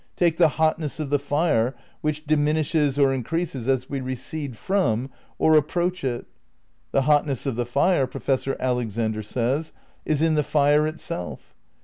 Take the hotness of the fire which diminishes or increases as we recede from or approach it. The hotness of the fire, Professor Al exander says, is in the fire itself.